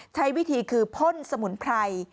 ใช้วิธีคือพ่นสมุนไพร